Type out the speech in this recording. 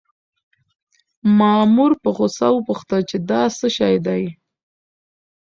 مامور په غوسه وپوښتل چې دا څه شی دی؟